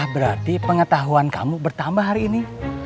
berarti pengetahuan kamu bertambah hari ini